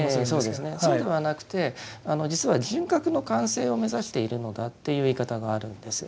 そうではなくて実は人格の完成を目指しているのだという言い方があるんです。